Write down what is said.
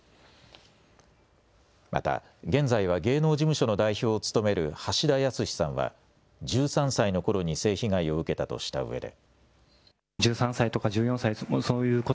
また現在は芸能事務所の代表を務める橋田康さんは１３歳のころに性被害を受けたとしたうえで。